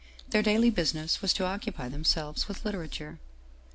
Their daily business was to occupy themselves with lit erature.